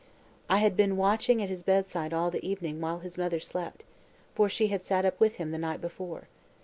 I had been watching at his bedside all the evening while his mother slept; for she had sat up with him the night before.